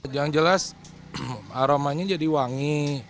yang jelas aromanya jadi wangi